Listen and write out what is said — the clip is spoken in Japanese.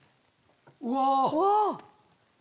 うわ！